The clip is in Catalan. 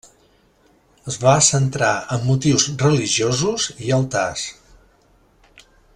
Es va centrar en motius religiosos i altars.